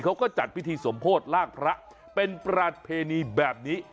เขาก็จัดพิธีสมโพธิลากพระเป็นประเพณีแบบนี้